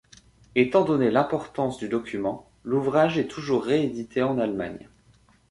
Étant donné l'importance du document, l'ouvrage est toujours réédité en Allemagne.